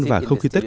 và không khí tết